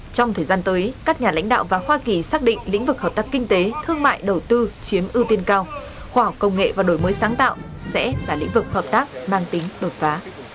trong thời gian tới các nhà lãnh đạo và hoa kỳ xác định lĩnh vực hợp tác kinh tế thương mại đầu tư chiếm ưu tiên cao khoa học công nghệ và đổi mới sáng tạo sẽ là lĩnh vực hợp tác mang tính đột phá